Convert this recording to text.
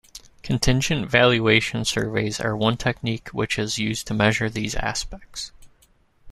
Contingent valuation surveys are one technique which is used to measure these aspects.